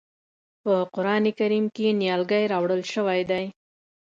په قرآن کریم کې نیالګی راوړل شوی دی.